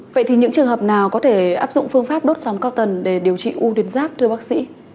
vậy thì những trường hợp nào có thể áp dụng phương pháp đốt sóng cao tầng để điều trị ưu tiên giáp thưa bác sĩ